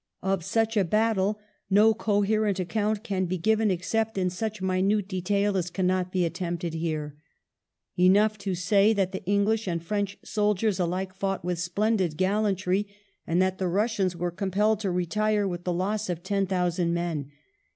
Of such a battle no coherent account can be given except in such minute detail as cannot be attempted here. Enough to say that the English and French soldiers alike fought with splendid gallantry, and that the Russians were compelled to retire with the loss of 10,000 men.